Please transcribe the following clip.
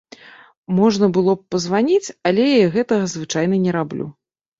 Можна было б пазваніць, але я і гэтага звычайна не раблю.